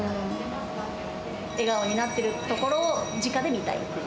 笑顔になってるところをじかで見たいっていう。